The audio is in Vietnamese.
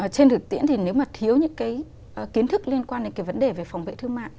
trên thực tiễn thì nếu mà thiếu những cái kiến thức liên quan đến cái vấn đề về phòng vệ thương mại